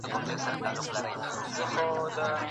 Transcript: پښتو پوهه خبرې سموي.